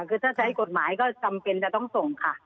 คือถ้าใช้กฎหมายก็จำเป็นจะต้องส่งค่ะ